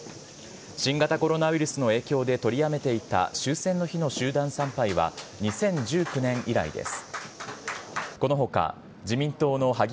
新型コロナウイルスの影響で取りやめていた終戦の日の集団参拝は、２０１９年以来です。